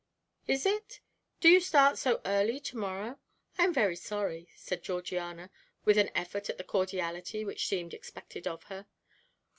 "Is it? Do you start so early to morrow? I am very sorry," said Georgiana, with an effort at the cordiality which seemed expected of her.